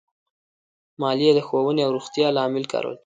مالیه د ښوونې او روغتیا لپاره کارول کېږي.